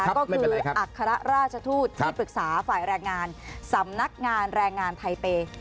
ก็คืออัครราชทูตที่ปรึกษาฝ่ายแรงงานสำนักงานแรงงานไทเปย์